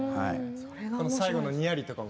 最後の、にやりとかも。